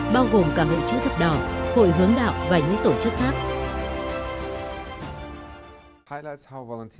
bao gồm cả hội chữ thập đỏ hội hướng đạo và những tổ chức khác